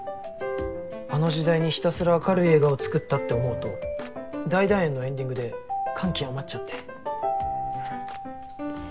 あの時代にひたすら明るい笑顔を作ったって思うと大団円のエンディングで感極まっちゃって。